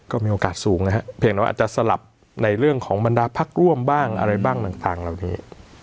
ก็มีโอกาสสูงนะครับเพียงแต่ว่าอาจจะสลับในเรื่องของบรรดาพักร่วมบ้างอะไรบ้างต่างเหล่านี้